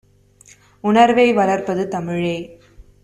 உணர்வை வளர்ப்பது தமிழே!